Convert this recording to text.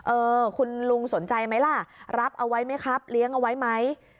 เออคุณลุงสนใจไหมล่ะรับเอาไว้ไหมครับเลี้ยงเอาไว้ไหม